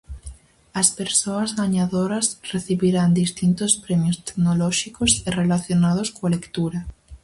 As persoas gañadoras recibirán distintos premios tecnolóxicos e relacionados coa lectura.